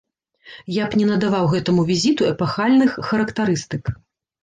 Я б не надаваў гэтаму візіту эпахальных характарыстык.